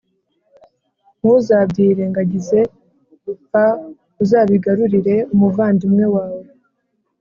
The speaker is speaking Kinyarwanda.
ntuzabyirengagize p Uzabigarurire umuvandimwe wawe